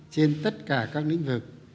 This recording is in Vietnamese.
trên tất cả các lĩnh vực